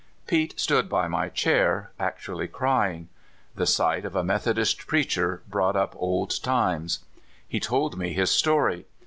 Pete stood by my chair, actually crying. The sight of a Methodist preacher brought up old times. He told me his story.